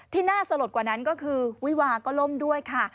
ที่น่าสลดกว่านั้นก็คือวิวาก็ล่มด้วยค่ะ